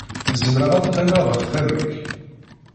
Zemreɣ ad qqimeɣ ɣer tama-k?